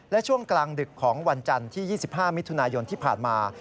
และช่วงกลางดึกของวันจันทร์ที่๒๕มิถุนายนที่ผ่านมา